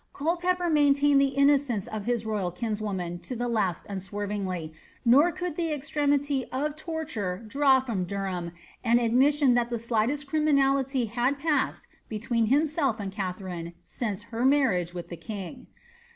Culpepper maintained the innocence of liis royml kinswoman to the last unswervingly, nor could the extremity of torture draw from Derham an admission that the slightest criminality had passed between himself and Katharine since her marriage with the kioff.